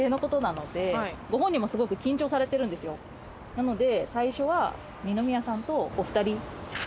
なので。